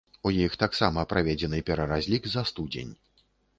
У іх таксама праведзены пераразлік за студзень.